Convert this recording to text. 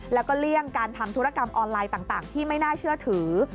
แล้วก็เลี่ยงการทำธุรกรรมออนไลน์ต่างที่ไม่น่าเชื่อถือ